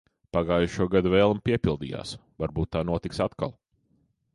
Pagājušogad vēlme piepildījās. Varbūt tā notiks atkal.